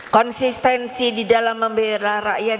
konsistensi di dalam membela rakyat